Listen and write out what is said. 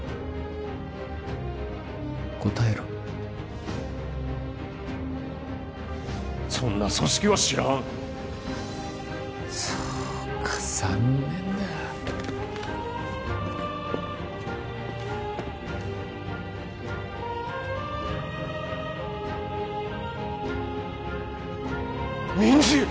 答えろそんな組織は知らんそうか残念だミンジ！